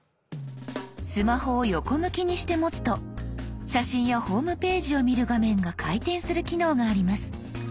スマホを横向きにして持つと写真やホームページを見る画面が回転する機能があります。